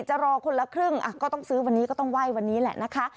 จะรอคนละครึ่งก็ต้องซื้อวันนี้ก็ต้องไหว้วันนี้แหละนะคะ